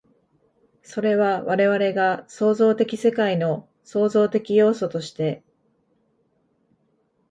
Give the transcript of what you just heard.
それは我々が創造的世界の創造的要素として、